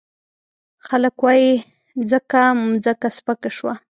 خلګ وايي ځکه مځکه سپکه شوه.